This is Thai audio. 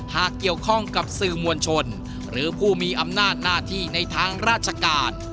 หากเกี่ยวข้องกับสื่อมวลชนหรือผู้มีอำนาจหน้าที่ในทางราชการ